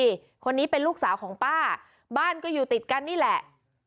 นี่คนนี้เป็นลูกสาวของป้าบ้านก็อยู่ติดกันนี่แหละ